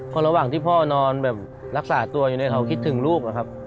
พอระหว่างที่พ่อนอนแบบรักษาตัวอยู่เนี่ยเขาคิดถึงลูกอะครับ